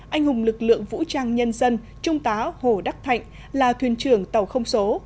anh hùng lực lượng vũ trang nhân dân trung tá hồ đắc thạnh là thuyền trưởng tàu không số